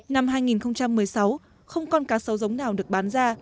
năm hai nghìn một mươi sáu không con cá sấu giống nào được bán ra